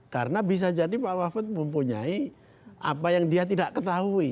karena bisa jadi pak mahfud mempunyai apa yang dia tidak ketahui